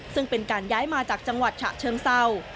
ซึ่งเป็นการย้ายมาจากจังหวัดฉะเชิงเศร้า